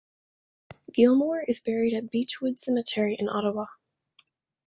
Gilmour is buried at Beechwood Cemetery in Ottawa.